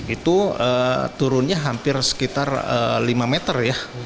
itu turunnya hampir sekitar lima meter ya